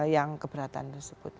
yang keberatan tersebut